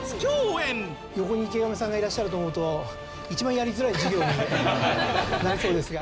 横に池上さんがいらっしゃると思うと一番やりづらい授業になりそうですが。